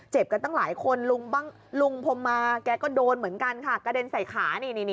เจ็บกันตั้งหลายคนลุงพรมมาแกก็โดนเหมือนกันค่ะ